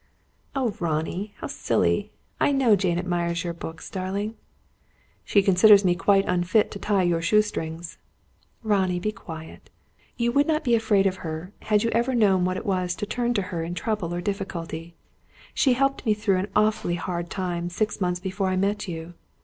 "Oh, Ronnie, how silly! I know Jane admires your books, darling!" "She considers me quite unfit to tie your shoe strings." "Ronnie, be quiet! You would not be afraid of her, had you ever known what it was to turn to her in trouble or difficulty. She helped me through an awfully hard time, six months before I met you.